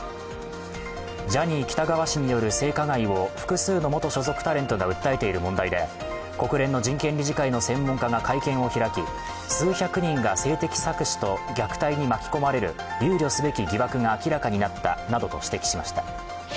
ジャニー喜多川氏による性加害を複数の元所属タレントが訴えている問題で国連の人権理事会の専門家が会見を開き数百人が性的搾取と虐待に巻き込まれる憂慮すべき疑惑が明らかになったなどと指摘しました。